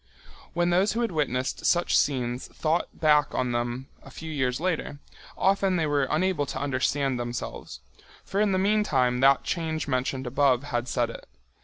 When those who had witnessed such scenes thought back on them a few years later, often they were unable to understand themselves. For in the meantime that change mentioned above had set it.